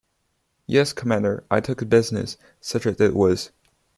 Yes, commander, I took the business, such as it was.